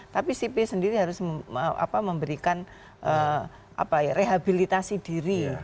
tapi sipil sendiri harus memberikan rehabilitasi diri